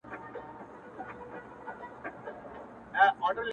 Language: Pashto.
ستا د مستۍ په خاطر~